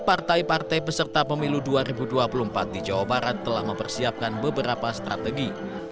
partai partai peserta pemilu dua ribu dua puluh empat di jawa barat telah mempersiapkan beberapa strategi